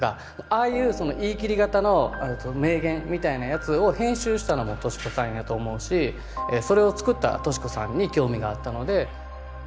ああいうその言い切り型の名言みたいなやつを編集したのも敏子さんやと思うしそれをつくった敏子さんに興味があったので。